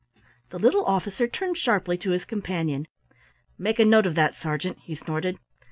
The little officer turned sharply to his companion. "Make a note of that, Sergeant," he snorted.